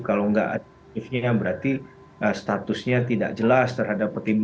kalau tidak ada motifnya berarti statusnya tidak jelas terhadap